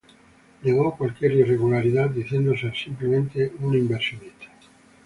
Negó cualquier irregularidad, diciendo ser simplemente una inversionista.